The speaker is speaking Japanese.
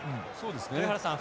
豊原さん